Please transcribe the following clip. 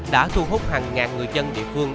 đã thu hút hàng ngàn người dân địa phương